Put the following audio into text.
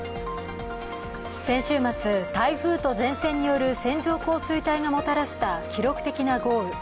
先週末、台風と前線による線状降水帯がもたらした記録的な豪雨。